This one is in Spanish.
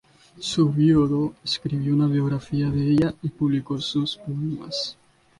Su viudo escribió una biografía de ella y publicó sus poemas.